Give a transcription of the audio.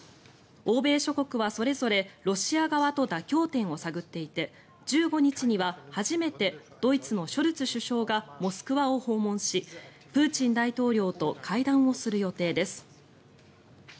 欧米諸国はそれぞれロシア側と妥協点を探っていて１５日には初めてドイツのショルツ首相がモスクワを訪問しプーチン大統領と会談をする予定です。